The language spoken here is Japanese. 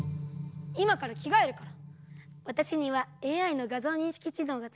今からきがえるから」。